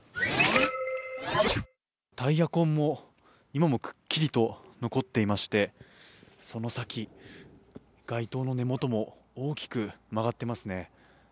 タイヤ痕も今もくっきりと残ってましてその先、街灯の根元も大きく曲がっていますね。